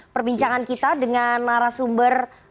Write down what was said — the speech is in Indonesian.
perbincangan kita dengan narasumber